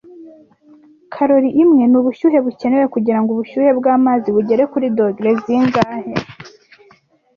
Calorie imwe nubushyuhe bukenewe kugirango ubushyuhe bwamazi bugere kuri dogere zingahe